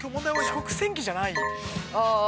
◆食洗機じゃない？